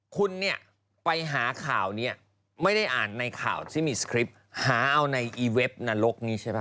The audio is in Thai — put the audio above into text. คุณเนี่ยไปหาข่าวนี้ไม่ได้อ่านในข่าวที่มีสคริปต์หาเอาในอีเว็บนรกนี้ใช่ป่